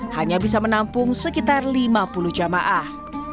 hanya bisa menampung sekitar lima puluh jamaah